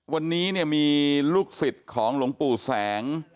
วันนี้มีลูกศริษฐ์ของหลงปู่แสง